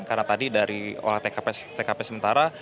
karena tadi dari olah tkp sementara